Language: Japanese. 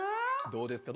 どうですか？